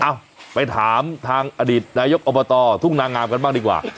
เอ้าไปถามทางอดีตนายกอบตทุ่งนางามกันบ้างดีกว่า